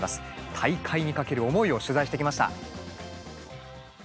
大会にかける思いを取材してきました。